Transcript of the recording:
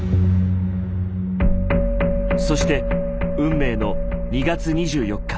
そして運命の２月２４日。